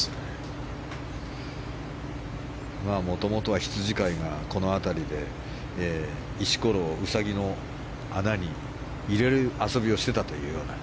もともとは羊飼いがこの辺りで石ころをウサギの穴に入れる遊びをしていたというような。